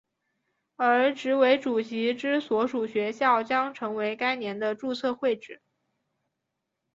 而执委主席之所属学校将成为该年的注册会址。